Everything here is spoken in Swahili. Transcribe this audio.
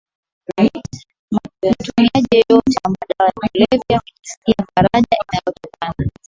Mtumiaji yeyote wa madawa ya kulevya hujisikia faraja inayotokana